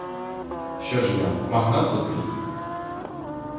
Що ж я, магнат який?